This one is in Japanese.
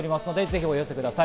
ぜひお寄せください。